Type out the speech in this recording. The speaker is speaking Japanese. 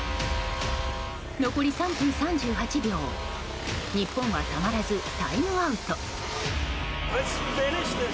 残り３分３８秒日本は、たまらずタイムアウト。